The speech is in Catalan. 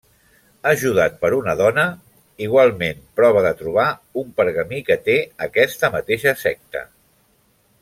Ajudat per una dona, igualment prova de trobar un pergamí que té aquesta mateixa secta.